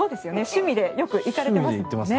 趣味でよく行かれてますよね。